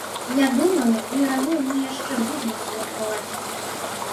Я думаю, міравую мы яшчэ будзем святкаваць.